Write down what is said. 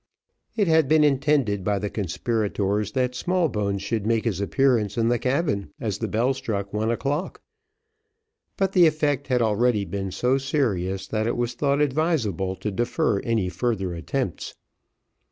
It had been intended by the conspirators, that Smallbones should make his appearance in the cabin, as the bell struck one o'clock; but the effect had already been so serious that it was thought advisable to defer any further attempts.